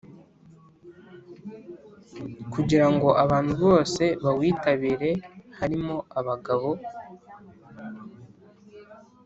kugira ngo abantu bose bawitabire harimo abagabo,